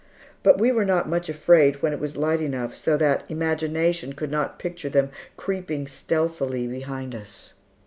But we were not much afraid when it was light enough, so that imagination could not picture them creeping stealthily behind us.